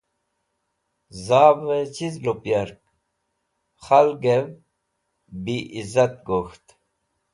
Zavẽ chiz lup yark, khalgẽv bi izat gok̃ht.